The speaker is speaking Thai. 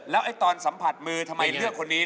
แล้วตอนสัมผัสมือทำไมเลือกคนนี้